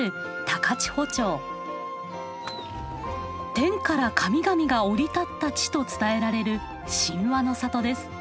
天から神々が降り立った地と伝えられる神話の里です。